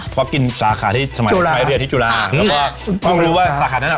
เพราะกินสาขาที่สมัยใช้เรียนที่จุฬาค่ะแล้วก็คือว่าสาขานั้นอ่ะ